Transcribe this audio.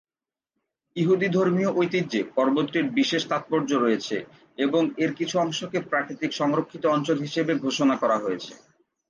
ইহুদি ধর্মীয় ঐতিহ্যে পর্বতটির বিশেষ তাত্পর্য রয়েছে এবং এর কিছু অংশকে প্রাকৃতিক সংরক্ষিত অঞ্চল হিসেবে ঘোষণা করা হয়েছে।